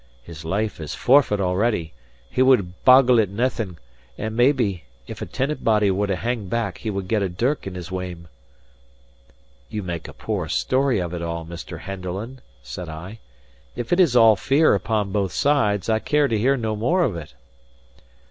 His life is forfeit already; he would boggle at naething; and maybe, if a tenant body was to hang back he would get a dirk in his wame." "You make a poor story of it all, Mr. Henderland," said I. "If it is all fear upon both sides, I care to hear no more of it."